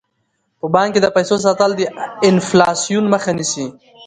په بانک کې د پیسو ساتل د انفلاسیون مخه نیسي.